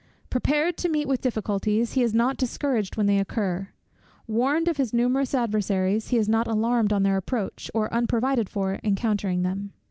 Prepared to meet with difficulties, he is not discouraged when they occur; warned of his numerous adversaries, he is not alarmed on their approach, or unprovided for encountering them.